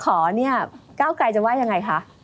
เก้าไกลจะว่ายังไงคะ